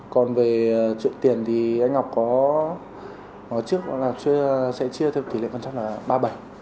còn về chuyện tiền thì anh ngọc có nói trước là sẽ chia theo kỷ lệ quan trọng là ba mươi bảy